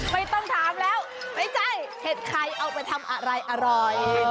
ไม่ต้องถามแล้วไม่ใช่เห็ดใครเอาไปทำอะไรอร่อย